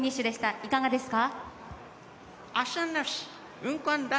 いかがですか？